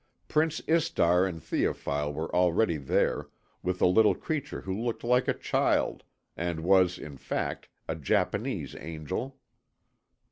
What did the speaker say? Prince Istar and Théophile were already there, with a little creature who looked like a child, and was, in fact, a Japanese angel.